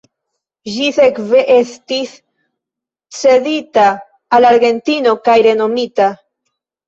Ĝi sekve estis cedita al Argentino kaj renomita.